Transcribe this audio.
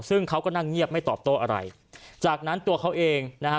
ซึ่งเขาก็นั่งเงียบไม่ตอบโต้อะไรจากนั้นตัวเขาเองนะฮะ